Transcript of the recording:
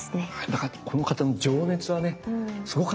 だからこの方の情熱はねすごかったでしょうね。